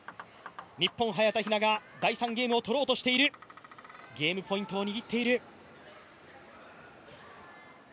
日本、早田ひなが第３ゲームを取ろうとしているゲームポイントを握っている。